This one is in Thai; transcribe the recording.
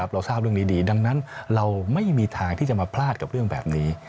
เราทราบเรื่องนี้ดีดังนั้นเราไม่มีทางที่จะมาพลาดกับเรื่องแบบนี้